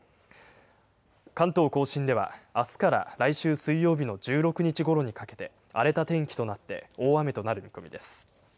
関東甲信ではあすから来週水曜日の１６日ごろにかけて荒れた天気となって大雨となる見込みです。